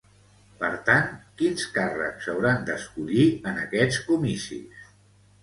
Per tant, quins càrrecs s'hauran d'escollir en aquests comicis?